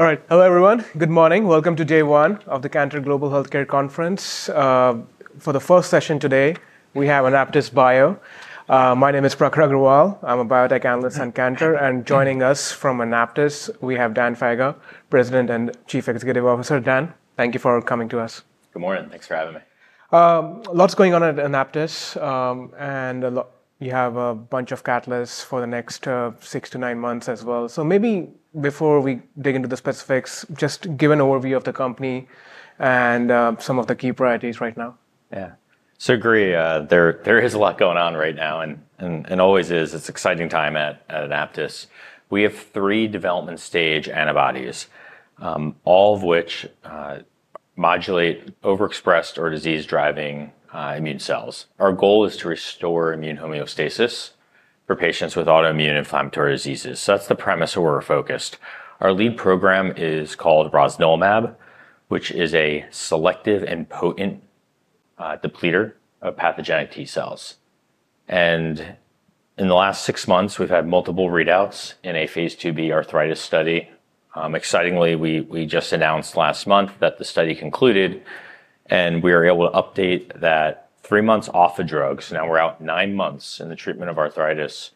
All right. Hello, everyone. Good morning. Welcome to day one of the Cantor Global Healthcare Conference. For the first session today, we have AnaptysBio. My name is Prakhara Gurwal. I'm a biotech analyst on CANTER. Joining us from AnaptysBio, we have Dan Faga, President and Chief Executive Officer. Dan, thank you for coming to us. Good morning. Thanks for having me. A lot's going on at AnaptysBio, and you have a bunch of catalysts for the next 6-9 months as well. Maybe before we dig into the specifics, just give an overview of the company and some of the key priorities right now. Yeah. Great. There is a lot going on right now and always is. It's an exciting time at AnaptysBio. We have three development stage antibodies, all of which modulate overexpressed or disease-driving immune cells. Our goal is to restore immune homeostasis for patients with autoimmune inflammatory diseases. That's the premise of where we're focused. Our lead program is called rosnilimab, which is a selective and potent depleter of pathogenic T- cells. In the last six months, we've had multiple readouts in a Phase IIb arthritis study. Excitingly, we just announced last month that the study concluded. We were able to update that three months off the drug. Now we're out nine months in the treatment of arthritis.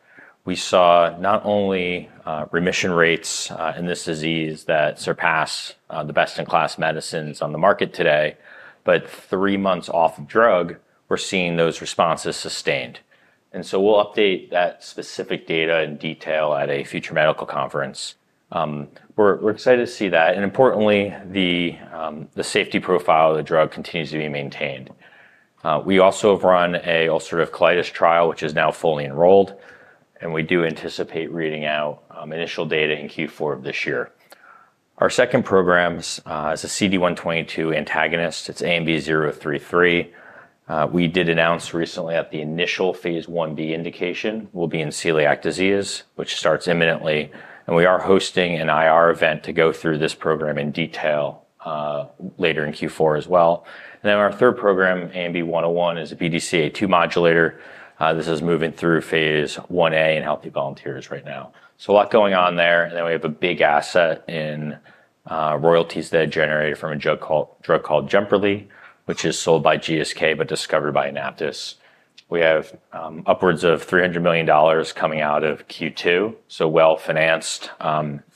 We saw not only remission rates in this disease that surpass the best-in-class medicines on the market today, but three months off the drug, we're seeing those responses sustained. We'll update that specific data in detail at a future medical conference. We're excited to see that. Importantly, the safety profile of the drug continues to be maintained. We also have run an ulcerative colitis trial, which is now fully enrolled. We do anticipate reading out initial data in Q4 of this year. Our second program is a CD122 antagonist. It's ANB033. We did announce recently that the initial Phase Ib indication will be in celiac disease, which starts imminently. We are hosting an IR event to go through this program in detail later in Q4 as well. Our third program, ANB101, is a BDCA2 modulator. This is moving through Phase IA in healthy volunteers right now. A lot going on there. We have a big asset in royalties that are generated from a drug called Jemperli, which is sold by GSK but discovered by AnaptysBio. We have upwards of $300 million coming out of Q2. Well financed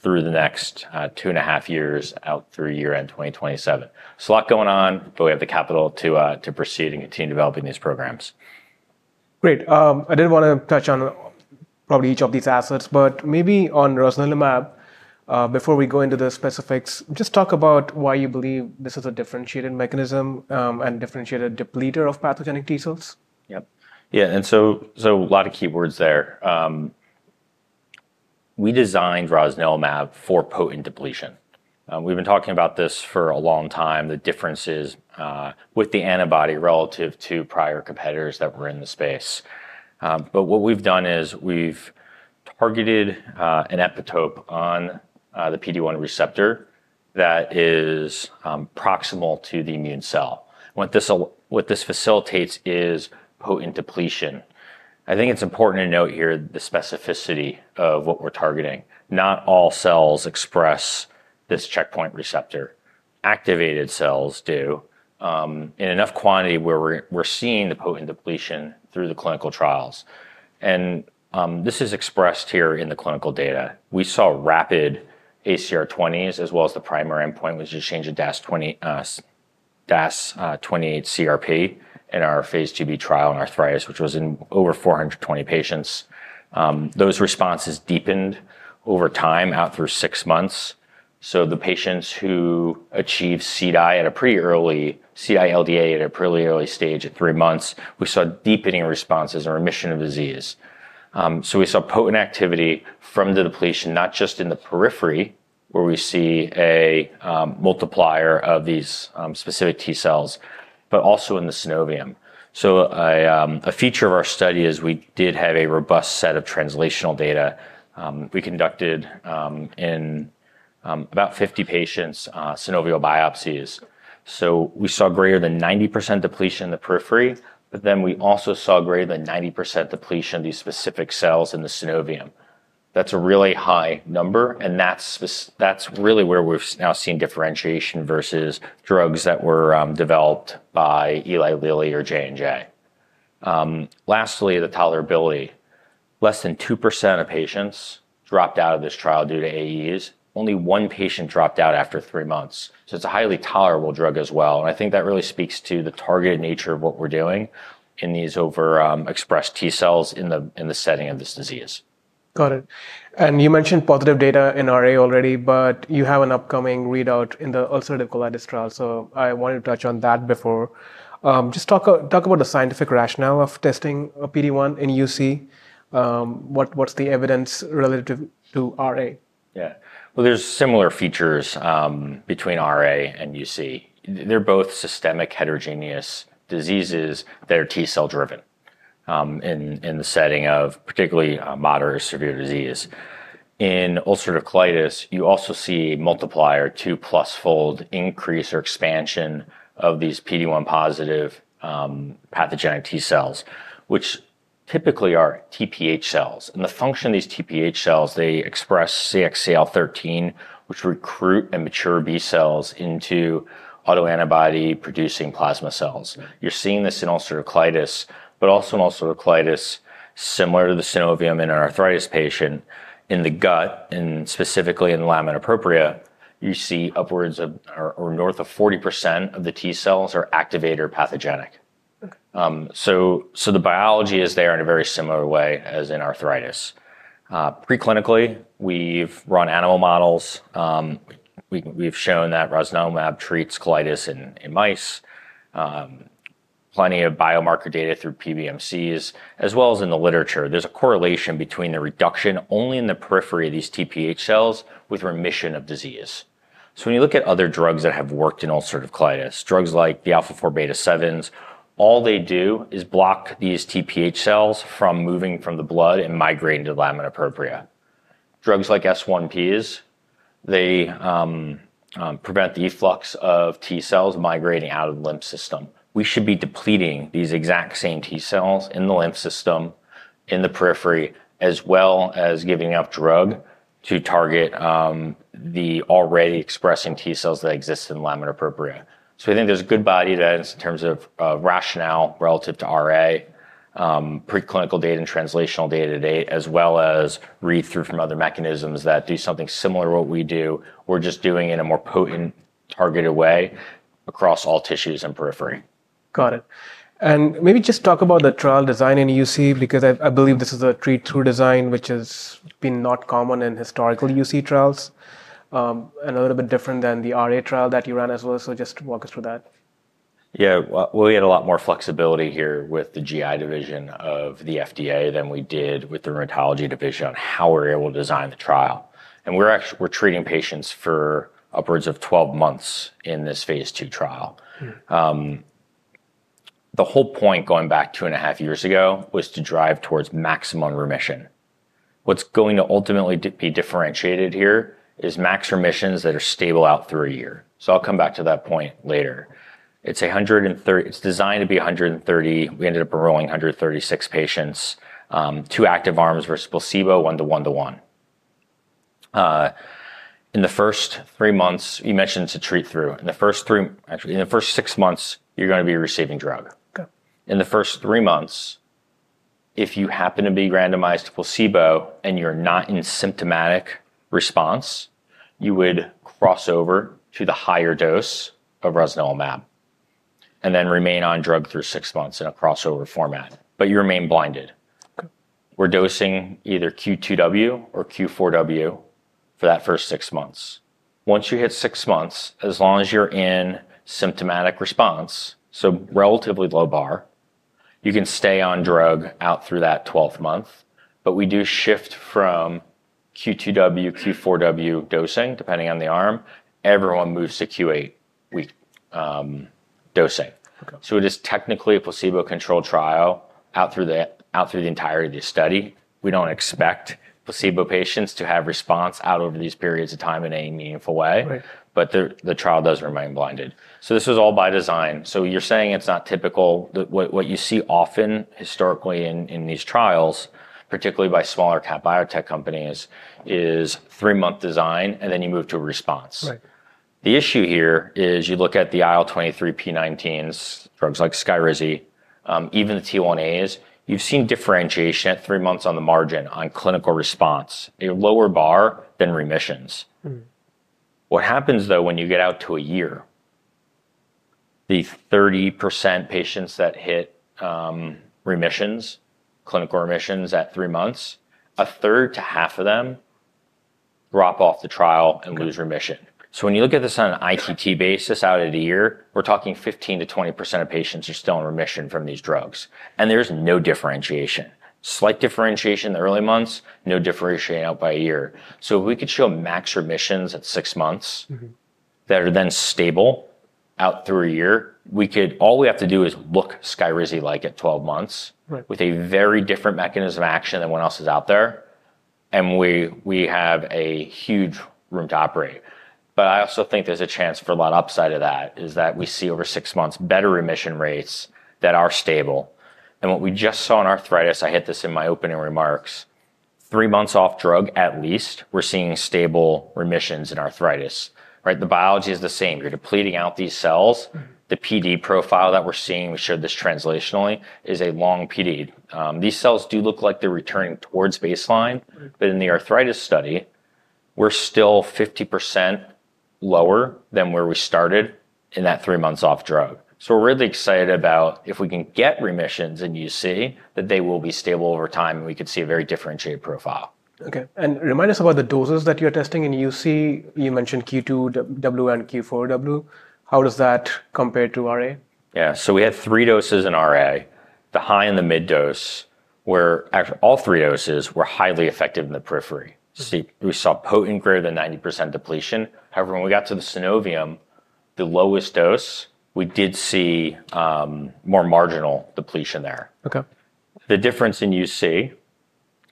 through the next two and a half years out through year-end 2027. A lot going on, but we have the capital to proceed and continue developing these programs. Great. I did want to touch on probably each of these assets. Maybe on Rosnilimab, before we go into the specifics, just talk about why you believe this is a differentiated mechanism and differentiated depleter of pathogenic T cells. Yeah. Yeah. A lot of key words there. We designed rosnilimab for potent depletion. We've been talking about this for a long time, the differences with the antibody relative to prior competitors that were in the space. What we've done is we've targeted an epitope on the PD-1 receptor that is proximal to the immune cell. What this facilitates is potent depletion. I think it's important to note here the specificity of what we're targeting. Not all cells express this checkpoint receptor. Activated cells do in enough quantity where we're seeing the potent depletion through the clinical trials. This is expressed here in the clinical data. We saw rapid ACR20s, as well as the primary endpoint, which is a change of DAS28 CRP in our Phase IIb trial in arthritis, which was in over 420 patients. Those responses deepened over time out through six months. The patients who achieved CDI at a pretty early CDI LDA at a pretty early stage at three months, we saw deepening responses and remission of disease. We saw potent activity from the depletion, not just in the periphery, where we see a multiplier of these specific T- cells, but also in the synovium. A feature of our study is we did have a robust set of translational data we conducted in about 50 patients' synovial biopsies. We saw greater than 90% depletion in the periphery. We also saw greater than 90% depletion of these specific cells in the synovium. That's a really high number. That's really where we've now seen differentiation versus drugs that were developed by Eli Lilly or J&J. Lastly, the tolerability. Less than 2% of patients dropped out of this trial due to AEs. Only one patient dropped out after three months. It's a highly tolerable drug as well. I think that really speaks to the targeted nature of what we're doing in these overexpressed T- cells in the setting of this disease. Got it. You mentioned positive data in RA already. You have an upcoming readout in the ulcerative colitis trial. I wanted to touch on that before. Just talk about the scientific rationale of testing PD-1 in UC. What's the evidence relative to RA? Yeah. There are similar features between RA and UC. They're both systemic heterogeneous diseases that are T- cell driven in the setting of particularly moderate or severe disease. In ulcerative colitis, you also see a multiplier, two-plus-fold increase or expansion of these PD-1 positive pathogenic T cells, which typically are TPH cells. The function of these TPH cells, they express CXCL13, which recruit and mature B cells into autoantibody-producing plasma cells. You're seeing this in ulcerative colitis, but also in ulcerative colitis, similar to the synovium in an arthritis patient, in the gut, and specifically in the lamina propria, you see upwards of or north of 40% of the T cells are activated or pathogenic. The biology is there in a very similar way as in arthritis. Preclinically, we've run animal models. We've shown that Rosnilimab treats colitis in mice. Plenty of biomarker data through PBMCs, as well as in the literature. There's a correlation between the reduction only in the periphery of these TPH cells with remission of disease. When you look at other drugs that have worked in ulcerative colitis, drugs like the alpha-4-beta-7s, all they do is block these TPH cells from moving from the blood and migrating to the lamina propria. Drugs like S1Ps, they prevent the efflux of T-c ells migrating out of the lymph system. We should be depleting these exact same T- cells in the lymph system in the periphery, as well as giving up drug to target the already expressing T- cells that exist in lamina propria. I think there's good body that is in terms of rationale relative to RA, preclinical data and translational data to date, as well as read through from other mechanisms that do something similar to what we do. We're just doing it in a more potent, targeted way across all tissues and periphery. Got it. Maybe just talk about the trial design in UC, because I believe this is a treat-through design, which has been not common in historical UC trials and a little bit different than the RA trial that you run as well. Just walk us through that. Yeah. We had a lot more flexibility here with the GI division of the FDA than we did with the rheumatology division on how we're able to design the trial. We're treating patients for upwards of 12 months in this Phase II trial. The whole point going back two and a half years ago was to drive towards maximum remission. What's going to ultimately be differentiated here is max remissions that are stable out through a year. I'll come back to that point later. It's designed to be 130. We ended up enrolling 136 patients. Two active arms were placebo, one-to-one-to-one. In the first three months, you mentioned it's a treat-through. In the first six months, you're going to be receiving drug. In the first three months, if you happen to be randomized to placebo and you're not in symptomatic response, you would cross over to the higher dose of rosnilimab and then remain on drug through six months in a crossover format. You remain blinded. We're dosing either Q2W or Q4W for that first six months. Once you hit six months, as long as you're in symptomatic response, so relatively low bar, you can stay on drug out through that 12th month. We do shift from Q2W, Q4W dosing, depending on the arm. Everyone moves to Q8 week dosing. It is technically a placebo-controlled trial out through the entirety of the study. We don't expect placebo patients to have response out over these periods of time in any meaningful way. The trial does remain blinded. This is all by design. You're saying it's not typical. What you see often historically in these trials, particularly by smaller cap biotech companies, is three-month design and then you move to a response. The issue here is you look at the IL-23P19s, drugs like Skyrizi, even the T1As. You've seen differentiation at three months on the margin on clinical response, a lower bar than remissions. What happens, though, when you get out to a year? The 30% patients that hit clinical remissions at three months, a third to half of them drop off the trial and lose remission. When you look at this on an ITT basis out of the year, we're talking 15% to 20% of patients who are still in remission from these drugs. There's no differentiation. Slight differentiation in the early months, no differentiation out by a year. If we could show max remissions at six months that are then stable out through a year, all we have to do is look Skyrizi-like at 12 months with a very different mechanism of action than what else is out there. We have a huge room to operate. I also think there's a chance for a lot of upside to that, is that we see over six months better remission rates that are stable. What we just saw in arthritis, I hit this in my opening remarks, three months off drug at least, we're seeing stable remissions in arthritis. The biology is the same. You're depleting out these cells. The PD profile that we're seeing, we showed this translationally, is a long PD. These cells do look like they're returning towards baseline. In the arthritis study, we're still 50% lower than where we started in that three months off drug. We're really excited about if we can get remissions in UC that they will be stable over time and we could see a very differentiated profile. OK. Remind us about the doses that you're testing in UC. You mentioned Q2W and Q4W. How does that compare to RA? Yeah. We had three doses in RA. The high and the mid dose, all three doses were highly effective in the periphery. We saw potent greater than 90% depletion. However, when we got to the synovium, the lowest dose, we did see more marginal depletion there. The difference in UC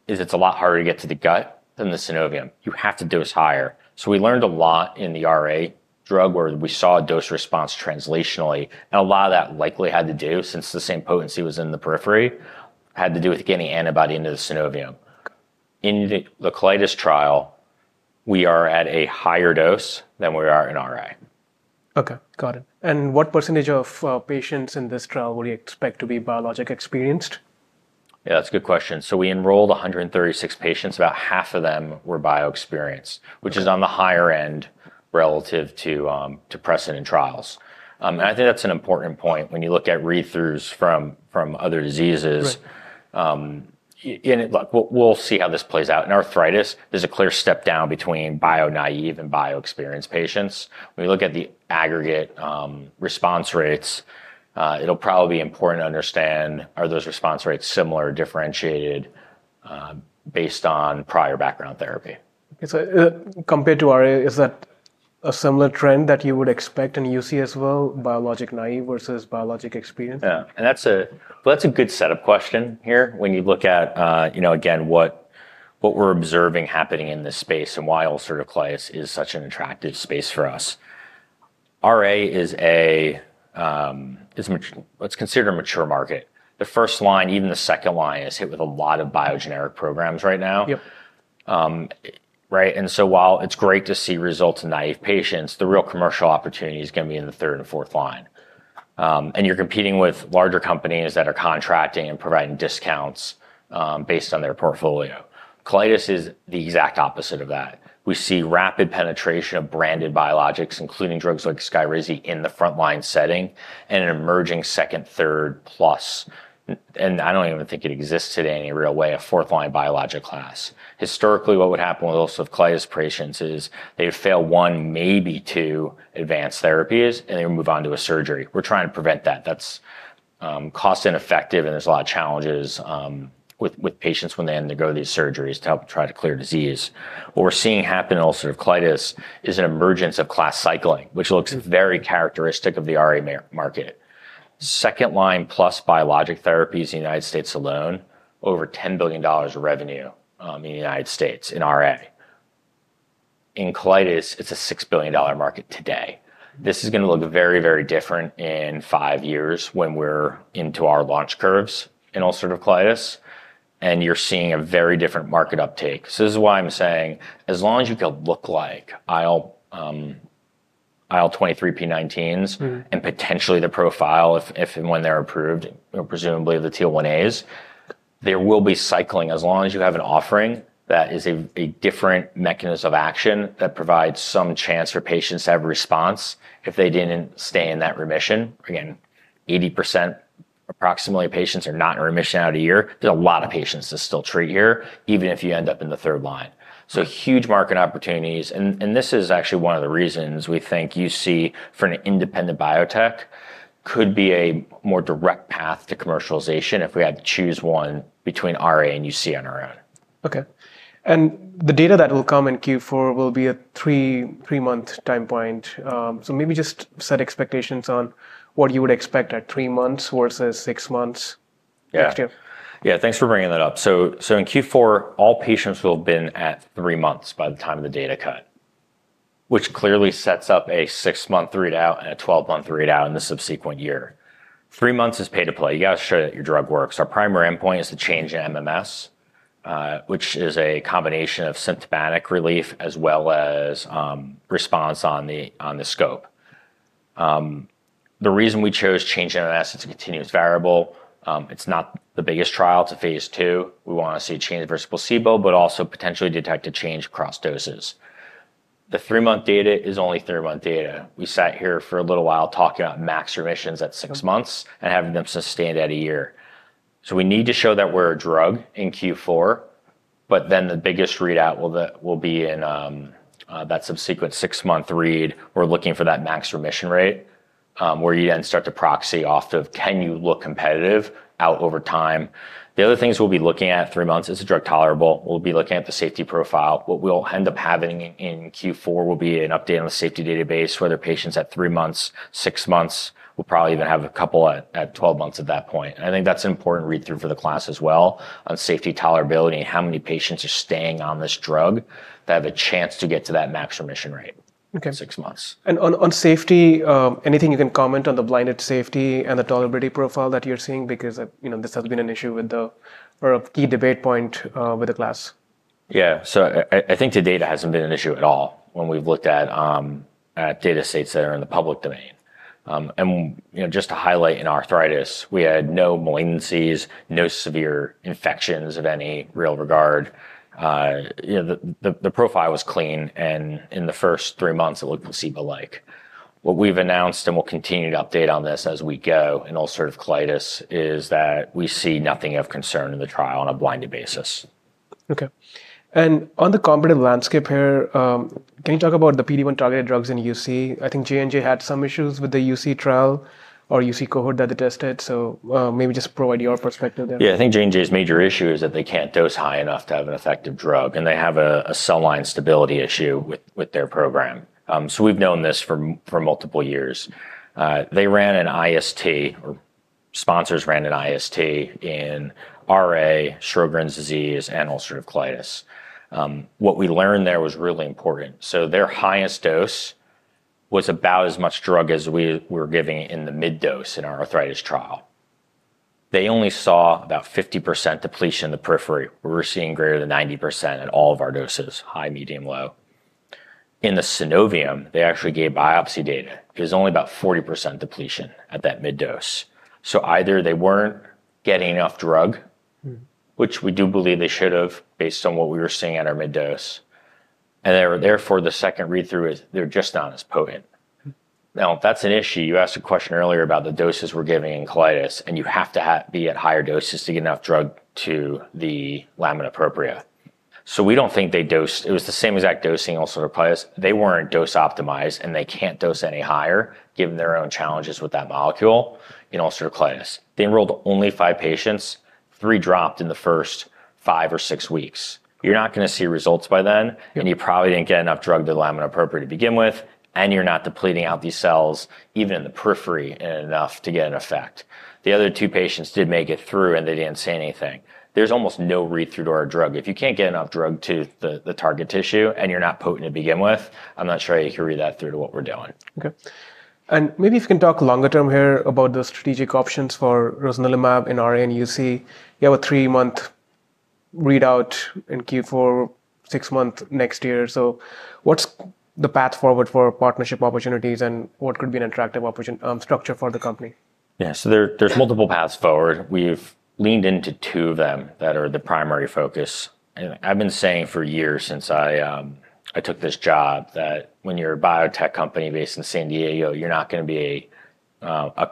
is it's a lot harder to get to the gut than the synovium. You have to dose higher. We learned a lot in the RA drug where we saw a dose response translationally. A lot of that likely had to do, since the same potency was in the periphery, with getting antibody into the synovium. In the colitis trial, we are at a higher dose than we are in RA. OK. Got it. What percentage of patients in this trial would you expect to be biologic-experienced? Yeah, that's a good question. We enrolled 136 patients. About half of them were biologic-experienced, which is on the higher end relative to present in trials. I think that's an important point when you look at read-throughs from other diseases. We'll see how this plays out. In arthritis, there's a clear step down between bio-naive and biologic-experienced patients. When you look at the aggregate response rates, it'll probably be important to understand, are those response rates similar or differentiated based on prior background therapy? Compared to RA, is that a similar trend that you would expect in UC as well, biologic-naive versus biologic-experienced? Yeah. That's a good setup question here when you look at, you know, again, what we're observing happening in this space and why ulcerative colitis is such an attractive space for us. RA is a, let's consider, a mature market. The first line, even the second line, is hit with a lot of biogeneric programs right now. While it's great to see results in naive patients, the real commercial opportunity is going to be in the third and fourth line. You're competing with larger companies that are contracting and providing discounts based on their portfolio. Colitis is the exact opposite of that. We see rapid penetration of branded biologics, including drugs like Skyrizi in the frontline setting and an emerging second, third, plus. I don't even think it exists today in any real way, a fourth-line biologic class. Historically, what would happen with ulcerative colitis patients is they'd fail one, maybe two advanced therapies, and they would move on to a surgery. We're trying to prevent that. That's cost ineffective. There are a lot of challenges with patients when they undergo these surgeries to help try to clear disease. What we're seeing happen in ulcerative colitis is an emergence of class cycling, which looks very characteristic of the RA market. Second-line plus biologic therapies in the U.S. alone, over $10 billion of revenue in the U.S. in RA. In colitis, it's a $6 billion market today. This is going to look very, very different in five years when we're into our launch curves in ulcerative colitis. You're seeing a very different market uptake. This is why I'm saying, as long as you can look like IL23P19s and potentially the profile if and when they're approved, presumably the T1As, there will be cycling as long as you have an offering that is a different mechanism of action that provides some chance for patients to have a response if they didn't stay in that remission. Again, approximately 80% of patients are not in remission out of a year. There are a lot of patients to still treat here, even if you end up in the third line. Huge market opportunities. This is actually one of the reasons we think UC for an independent biotech could be a more direct path to commercialization if we had to choose one between RA and UC on our own. OK. The data that will come in Q4 will be a three-month time point. Maybe just set expectations on what you would expect at three months versus six months next year. Yeah, thanks for bringing that up. In Q4, all patients will have been at three months by the time of the data cut, which clearly sets up a six-month readout and a 12-month readout in the subsequent year. Three months is pay-to-play. You got to show that your drug works. Our primary endpoint is to change MMS, which is a combination of symptomatic relief as well as response on the scope. The reason we chose change MMS is it's a continuous variable. It's not the biggest trial to Phase II. We want to see a change versus placebo, but also potentially detect a change across doses. The three-month data is only three-month data. We sat here for a little while talking about max remissions at six months and having them sustained at a year. We need to show that we're a drug in Q4. The biggest readout will be in that subsequent six-month read where we're looking for that max remission rate, where you then start to proxy off of can you look competitive out over time. The other things we'll be looking at at three months is the drug tolerable. We'll be looking at the safety profile. What we'll end up having in Q4 will be an update on the safety database for other patients at three months, six months. We'll probably even have a couple at 12 months at that point. I think that's an important read-through for the class as well on safety tolerability, how many patients are staying on this drug that have a chance to get to that max remission rate in six months. On safety, anything you can comment on the blinded safety and the tolerability profile that you're seeing? This has been an issue or a key debate point with the class. I think the data hasn't been an issue at all when we've looked at data states that are in the public domain. Just to highlight, in arthritis, we had no malignancies, no severe infections of any real regard. The profile was clean, and in the first three months, it looked placebo-like. What we've announced, and we'll continue to update on this as we go in ulcerative colitis, is that we see nothing of concern in the trial on a blinded basis. OK. On the competitive landscape here, can you talk about the PD-1 targeted drugs in UC? I think J&J had some issues with the UC trial or UC cohort that they tested. Maybe just provide your perspective there. Yeah. I think J&J's major issue is that they can't dose high enough to have an effective drug. They have a cell line stability issue with their program. We've known this for multiple years. They ran an IST, or sponsors ran an IST in RA, Sjogren's disease, and ulcerative colitis. What we learned there was really important. Their highest dose was about as much drug as we were giving in the mid dose in our arthritis trial. They only saw about 50% depletion in the periphery. We were seeing greater than 90% in all of our doses, high, medium, low. In the synovium, they actually gave biopsy data. There was only about 40% depletion at that mid dose. Either they weren't getting enough drug, which we do believe they should have based on what we were seeing at our mid dose, and therefore, the second read-through is they're just not as potent. That's an issue. You asked a question earlier about the doses we're giving in colitis. You have to be at higher doses to get enough drug to the lamina propria. We don't think they dosed it was the same exact dosing in ulcerative colitis. They weren't dose optimized. They can't dose any higher, given their own challenges with that molecule in ulcerative colitis. They enrolled only five patients. Three dropped in the first five or six weeks. You're not going to see results by then. You probably didn't get enough drug to the lamina propria to begin with. You're not depleting out these cells, even in the periphery, enough to get an effect. The other two patients did make it through. They didn't say anything. There's almost no read-through to our drug. If you can't get enough drug to the target tissue and you're not potent to begin with, I'm not sure I can read that through to what we're doing. OK. Maybe you can talk longer term here about the strategic options for rosnilimab in RA and UC. You have a three-month readout in Q4, six months next year. What is the path forward for partnership opportunities? What could be an attractive structure for the company? Yeah. There's multiple paths forward. We've leaned into two of them that are the primary focus. I've been saying for years, since I took this job, that when you're a biotech company based in San Diego, you're not going to be a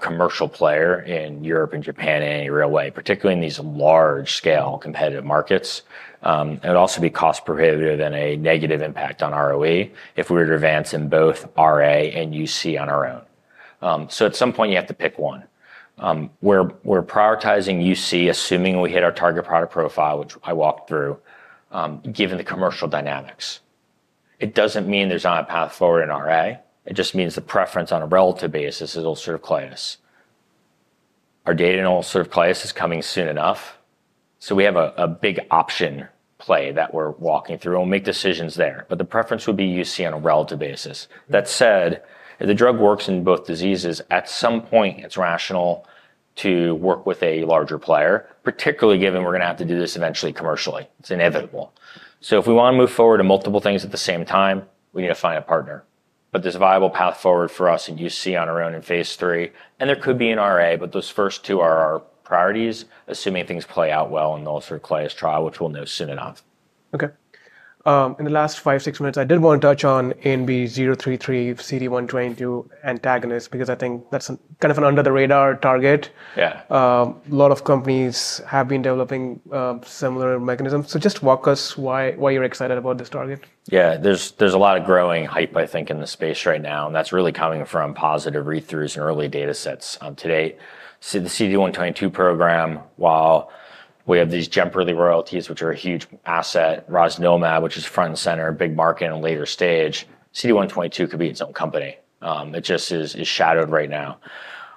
commercial player in Europe and Japan in any real way, particularly in these large-scale competitive markets. It would also be cost prohibitive and a negative impact on ROE if we were to advance in both RA and UC on our own. At some point, you have to pick one. We're prioritizing UC, assuming we hit our target product profile, which I walked through, given the commercial dynamics. It doesn't mean there's not a path forward in RA. It just means the preference on a relative basis is ulcerative colitis. Our data in ulcerative colitis is coming soon enough. We have a big option play that we're walking through, and we'll make decisions there. The preference would be UC on a relative basis. That said, if the drug works in both diseases, at some point, it's rational to work with a larger player, particularly given we're going to have to do this eventually commercially. It's inevitable. If we want to move forward to multiple things at the same time, we need to find a partner. There's a viable path forward for us in UC on our own in phase III, and there could be in RA. Those first two are our priorities, assuming things play out well in the ulcerative colitis trial, which we'll know soon enough. OK. In the last five, six minutes, I did want to touch on ANB033, CD122 Antagonist, because I think that's kind of an under-the-radar target. A lot of companies have been developing similar mechanisms. Just walk us why you're excited about this target. Yeah. There's a lot of growing hype, I think, in the space right now. That's really coming from positive read-throughs and early data sets to date. See the CD122 program, while we have these Jemperli royalties, which are a huge asset, rosnilimab, which is front and center, a big market in a later stage, CD122 could be its own company. It just is shadowed right now.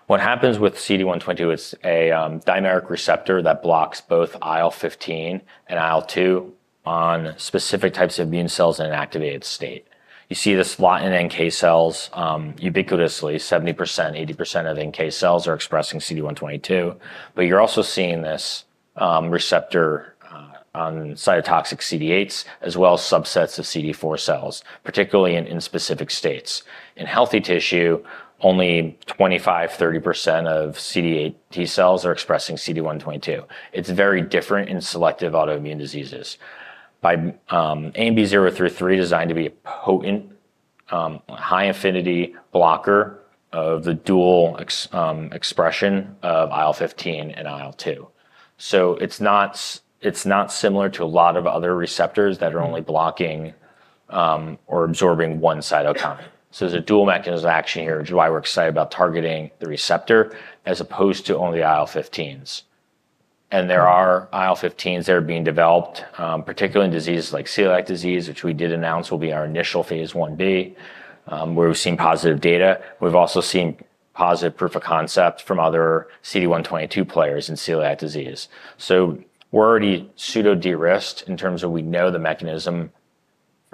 What happens with CD122, it's a dynamic receptor that blocks both IL-15 and IL-2 on specific types of immune cells in an activated state. You see this a lot in NK cells. Ubiquitously, 70%, 80% of NK cells are expressing CD122. You're also seeing this receptor on cytotoxic CD8s, as well as subsets of CD4 cells, particularly in specific states. In healthy tissue, only 25%, 30% of CD8 T cells are expressing CD122. It's very different in selective autoimmune diseases. By ANB033, designed to be a potent, high-affinity blocker of the dual expression of IL-15 and IL-2. It's not similar to a lot of other receptors that are only blocking or absorbing one cytokine. There's a dual mechanism of action here, which is why we're excited about targeting the receptor as opposed to only IL-15s. There are IL-15s that are being developed, particularly in diseases like celiac disease, which we did announce will be our initial Phase IB, where we've seen positive data. We've also seen positive proof of concept from other CD122 players in celiac disease. We're already pseudo-de-risked in terms of we know the mechanism.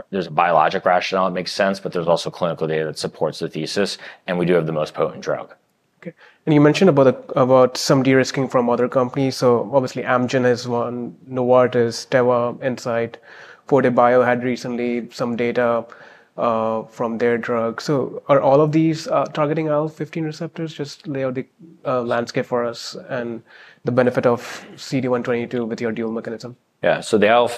There's a biologic rationale that makes sense. There's also clinical data that supports the thesis. We do have the most potent drug. OK. You mentioned about some de-risking from other companies. Obviously, Amgen is one. Novartis, Teva, Incyte, Forte Biosciences had recently some data from their drug. Are all of these targeting IL-15 receptors? Just lay out the landscape for us and the benefit of CD122 with your dual mechanism. Yeah.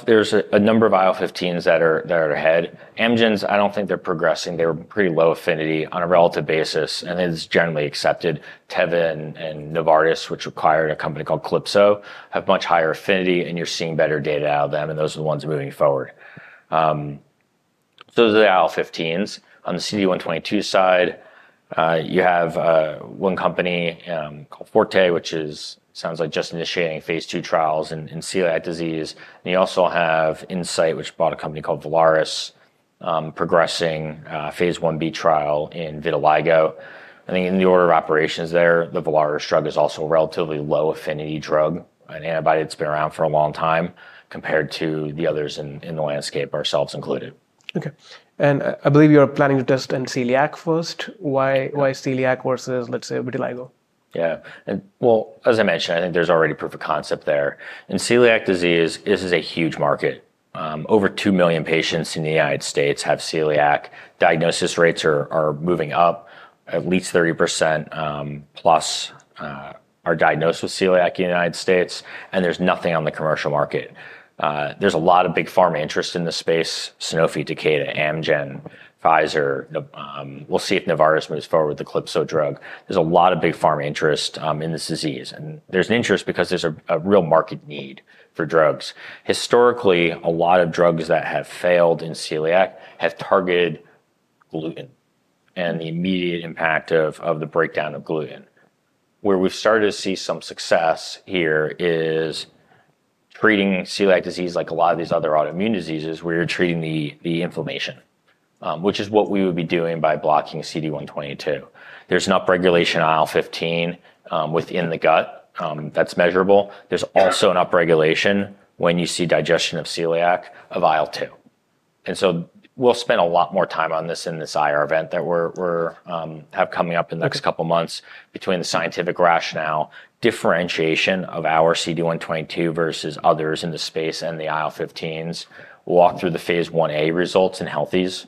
There's a number of IL-15s that are ahead. Amgen's, I don't think they're progressing. They were pretty low affinity on a relative basis. It's generally accepted. Teva and Novartis, which acquired a company called Calypso, have much higher affinity. You're seeing better data out of them. Those are the ones moving forward. Those are the IL-15s. On the CD122 side, you have one company called Forte, which sounds like just initiating Phase II trials in celiac disease. You also have Incyte, which bought a company called Velaris, progressing a Phase IB trial in vitiligo. I think in the order of operations there, the Velaris drug is also a relatively low affinity drug, an antibody that's been around for a long time compared to the others in the landscape, ourselves included. OK. I believe you are planning to test in Celiac first. Why celiac versus, let's say, vitiligo? Yeah. As I mentioned, I think there's already proof of concept there. In celiac disease, this is a huge market. Over 2 million patients in the U.S. have celiac. Diagnosis rates are moving up. At least 30%+ are diagnosed with celiac in the U.S., and there's nothing on the commercial market. There's a lot of big pharma interest in this space: Sanofi, Takeda, Amgen, Pfizer. We'll see if Velaris moves forward with the Calypso drug. There's a lot of big pharma interest in this disease, and there's an interest because there's a real market need for drugs. Historically, a lot of drugs that have failed in celiac have targeted gluten and the immediate impact of the breakdown of gluten. Where we've started to see some success here is treating celiac disease like a lot of these other autoimmune diseases, where you're treating the inflammation, which is what we would be doing by blocking CD122. There's an upregulation of IL-15 within the gut that's measurable. There's also an upregulation when you see digestion of celiac of IL-2. We'll spend a lot more time on this in this IR event that we have coming up in the next couple of months between the scientific rationale, differentiation of our CD122 versus others in the space, and the IL-15s. We'll walk through the Phase IA results in healthy volunteers,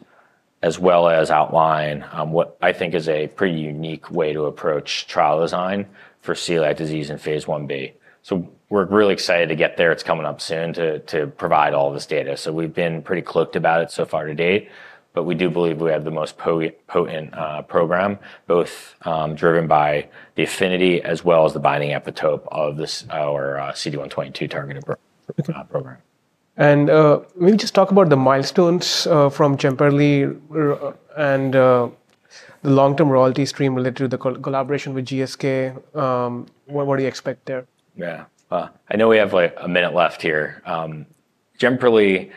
as well as outline what I think is a pretty unique way to approach trial design for celiac disease in Phase IB. We're really excited to get there. It's coming up soon to provide all this data. We've been pretty cloaked about it so far to date, but we do believe we have the most potent program, both driven by the affinity as well as the binding epitope of our CD122 targeted program. Maybe just talk about the milestones from Jemperli and the long-term royalty stream related to the collaboration with GSK. What do you expect there? Yeah. I know we have like a minute left here. Jemperli,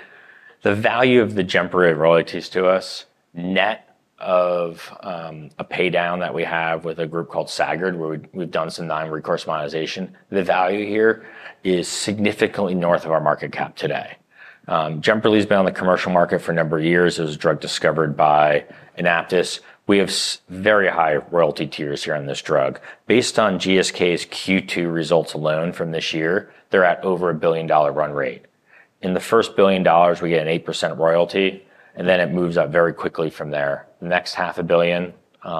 the value of the Jemperli royalties to us, net of a pay down that we have with a group called Sagard, where we've done some non-recourse monetization, the value here is significantly north of our market cap today. Jemperli has been on the commercial market for a number of years. It was a drug discovered by AnaptysBio. We have very high royalty tiers here on this drug. Based on GSK's Q2 results alone from this year, they're at over a $1 billion run rate. In the first $1 billion, we get an 8% royalty. It moves up very quickly from there. The next half a billion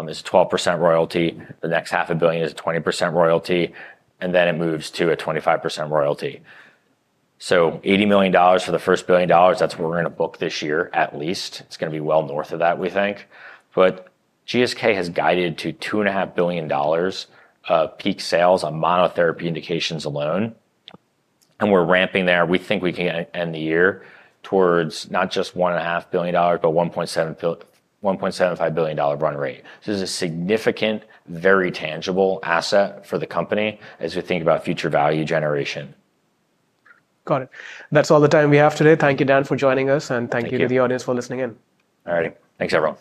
is a 12% royalty. The next half a billion is a 20% royalty. It moves to a 25% royalty. $80 million for the first $1 billion, that's what we're going to book this year, at least. It's going to be well north of that, we think. GSK has guided to $2.5 billion of peak sales on monotherapy indications alone. We're ramping there. We think we can end the year towards not just $1.5 billion, but $1.75 billion run rate. This is a significant, very tangible asset for the company as we think about future value generation. Got it. That's all the time we have today. Thank you, Dan, for joining us. Thank you to the audience for listening in. All right. Thanks everyone.